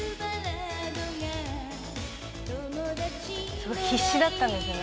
すごい必死だったんですよね。